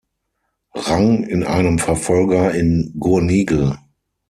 Rang in einem Verfolger in Gurnigel.